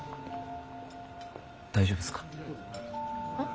大丈夫すか？